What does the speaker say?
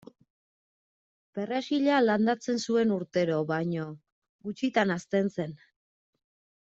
Perrexila landatzen zuen urtero baina gutxitan hazten zen.